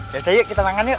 ya udah yuk kita makan yuk